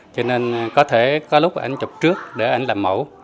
cho nên có thể có lúc anh chụp trước để anh làm mẫu